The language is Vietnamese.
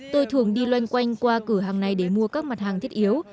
tôi thường đi loanh quanh qua cửa hàng này để mua các mặt hàng thiết yếu